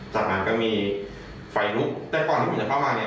จากนั้นก็มีไฟลุกแต่ก่อนที่ผมจะเข้ามาเนี่ย